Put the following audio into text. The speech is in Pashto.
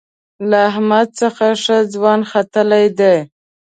له احمد څخه ښه ځوان ختلی دی.